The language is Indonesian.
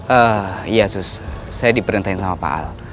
eh iya sus saya diperintahin sama pak al